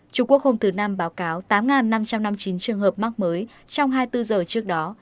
trung quốc hôm thứ năm báo cáo tám năm trăm năm mươi chín trường hợp mắc mới trong hai mươi bốn giờ trước đó